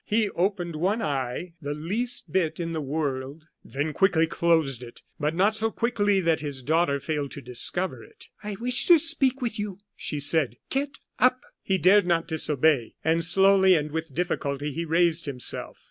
He opened one eye the least bit in the world, then quickly closed it; but not so quickly that his daughter failed to discover it. "I wish to speak with you," she said; "get up." He dared not disobey, and slowly and with difficulty, he raised himself.